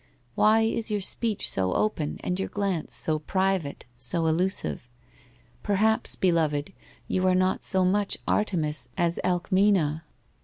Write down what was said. Why is your speech so open, and your glance so private — so elusive? Perhaps, beloved, you are not so much Artemis as Alcmena?